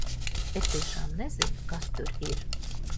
Es tiešām nezinu, kas tur ir!